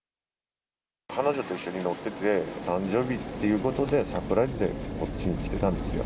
彼女と一緒に乗ってて、誕生日っていうことで、サプライズでこっちに来てたんですよ。